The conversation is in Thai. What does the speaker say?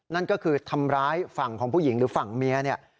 นั่นก็คือทำร้ายฝั่งของผู้หญิงหรือฝั่งเมียเนี่ย